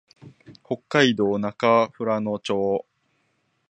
北海道中富良野町